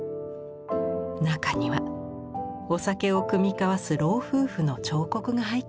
中にはお酒を酌み交わす老夫婦の彫刻が入っています。